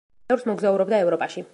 ბევრს მოგზაურობდა ევროპაში.